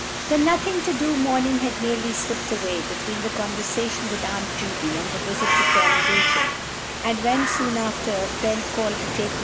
The "nothing to do" morning had nearly slipped away, between the conversation with Aunt Judy, and the visit to Tawny Rachel; and when, soon after, a friend called to take No.